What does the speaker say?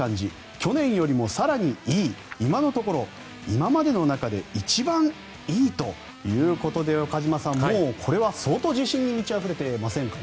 去年よりも更にいい今のところ、今までの中で一番いいということで岡島さん、これは相当自信に満ちあふれてますね？